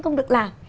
không được làm